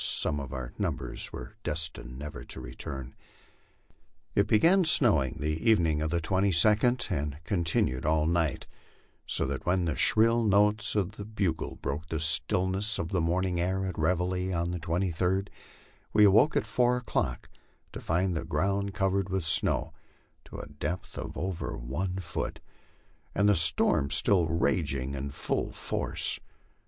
some of our number were destined never to return. It began snowing the evening of the 22d, and continued all night, so that when the shrill notes of the bugle broke the stillness of the morning air at reveille on the 23d, we awoke at four o'clock to find the ground covered with snow to a depth of over one foot, and the storm still raging in full force.